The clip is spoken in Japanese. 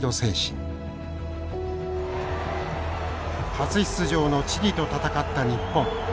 初出場のチリと戦った日本。